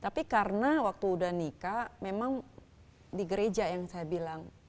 tapi karena waktu udah nikah memang di gereja yang saya bilang